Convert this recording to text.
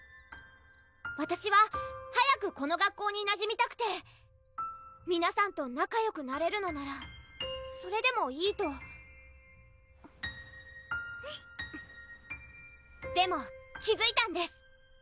わたしは早くこの学校になじみたくて皆さんとなかよくなれるのならそれでもいいとでも気づいたんです